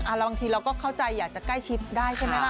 แล้วบางทีเราก็เข้าใจอยากจะใกล้ชิดได้ใช่ไหมล่ะ